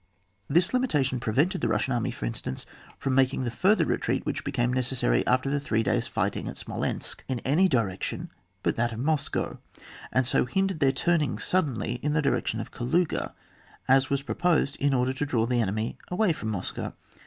This limitation prevented the Bussian army, for instance, from making the fur ther retreat which became necessary after the three days' fighting at Smolensk in any direction but that of Moscow, and so hindered their turning suddenly in the direction of Kaluga, as was pro posed in order to draw the enemy away from Moscow.